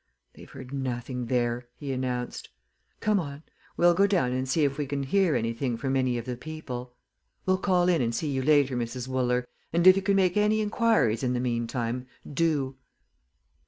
"They've heard nothing there," he announced. "Come on we'll go down and see if we can hear anything from any of the people. We'll call in and see you later, Mrs. Wooler, and if you can make any inquiries in the meantime, do.